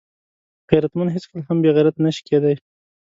غیرتمند هیڅکله هم بېغیرته نه شي کېدای